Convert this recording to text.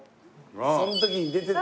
その時に出てた。